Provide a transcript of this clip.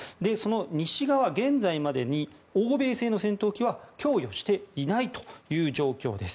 西側、現在までに欧米製の戦闘機は供与していないという状況です。